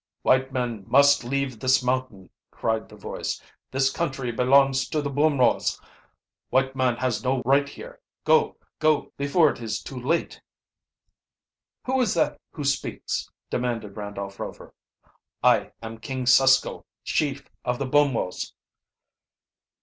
"White men must leave this mountain!" cried the voice. "This country belongs to the Bumwos. White man has no right here! Go! Go before it is too late!" "Who is that who speaks?" demanded Randolph Rover. "I am King Susko, chief of the Bumwos."